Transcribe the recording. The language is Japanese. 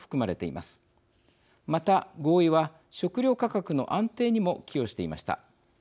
また合意は食料価格の安定にも寄与していました。